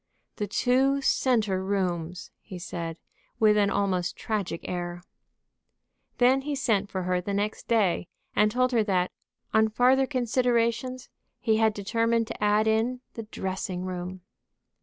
"The two centre rooms!" he said, with an almost tragic air. Then he sent for her the next day, and told her that, on farther considerations, he had determined to add in the dressing room.